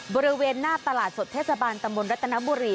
บริเวณหน้าตลาดสดเทศบาลตำบลรัตนบุรี